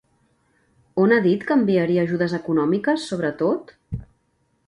On ha dit que enviaria ajudes econòmiques sobretot?